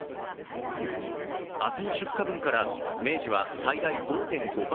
明日の出荷分から明治は最大５．５％。